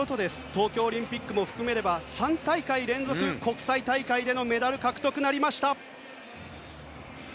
東京オリンピックも含めれば３大会連続で国際大会でのメダル獲得となりました。